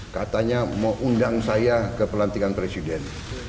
katanya mau undang saya ke pelantikan presiden